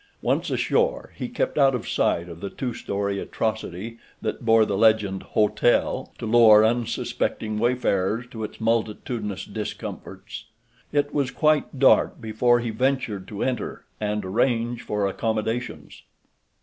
Once ashore he kept out of sight of the two story atrocity that bore the legend "Hotel" to lure unsuspecting wayfarers to its multitudinous discomforts. It was quite dark before he ventured to enter and arrange for accommodations.